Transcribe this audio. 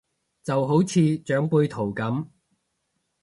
就好似長輩圖咁